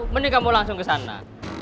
mending kamu langsung kesana